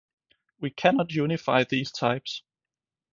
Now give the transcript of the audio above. we cannot unify these types